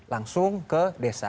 langsung ke desa